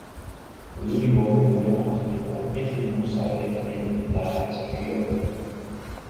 El único problema es que la gente no sabe quien la escribió.